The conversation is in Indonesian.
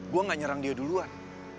gue gak nyerang dia duluan